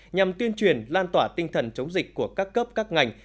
nhằm tuyên truyền lan tỏa tinh thần chống dịch của các cấp các ngành